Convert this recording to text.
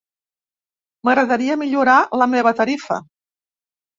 M'agradaria millorar la meva tarifa.